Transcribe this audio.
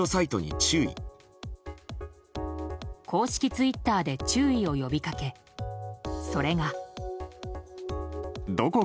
公式ツイッターで注意を呼びかけ、それが。